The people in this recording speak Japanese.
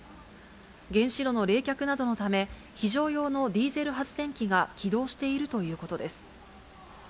原子炉の冷却などのため、非常用のディーゼル発電機が起動しているということです。